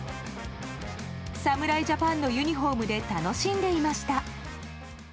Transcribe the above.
侍ジャパンのユニホームで楽しんでいました。